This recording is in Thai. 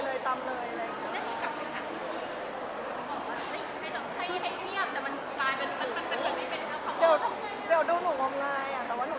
เหมือนว่ากลับมาเป็นตรงท่ามที่หมอดู